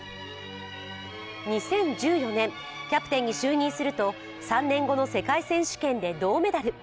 ２０１４年、キャプテンに就任すると、３年後の世界選手権で銅メダル。